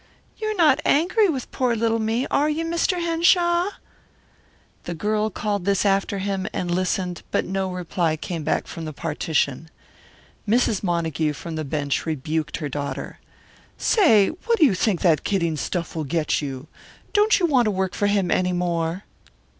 "You're not angry with poor little me, are you, Mr. Henshaw?" The girl called this after him and listened, but no reply came from back of the partition. Mrs. Montague, from the bench, rebuked her daughter. "Say, what do you think that kidding stuff will get you? Don't you want to work for him any more?"